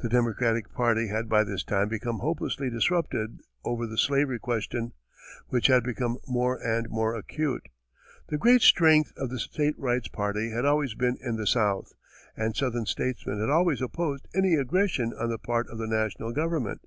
The Democratic party had by this time become hopelessly disrupted over the slavery question, which had become more and more acute. The great strength of the state rights party had always been in the South, and southern statesmen had always opposed any aggression on the part of the national government.